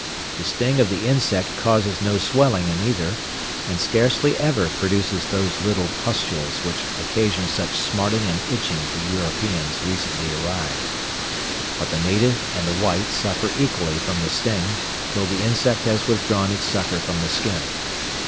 The sting of the insect causes no swelling in either; and scarcely ever produces those little pustules which occasion such smarting and itching to Europeans recently arrived. But the native and the White suffer equally from the sting, till the insect has withdrawn its sucker from the skin.